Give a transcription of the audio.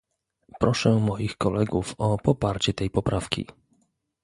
Proszę moich kolegów o poparcie tej poprawki